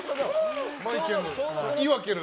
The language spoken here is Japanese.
マイケル。